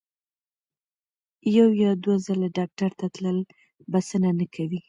یو یا دوه ځله ډاکټر ته تلل بسنه نه کوي.